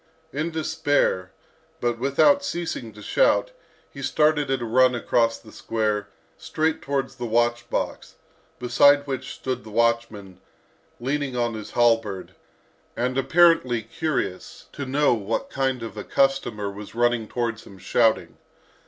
In despair, but without ceasing to shout, he started at a run across the square, straight towards the watch box, beside which stood the watchman, leaning on his halberd, and apparently curious to know what kind of a customer was running towards him shouting.